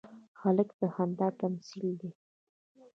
هلک د خندا تمثیل دی.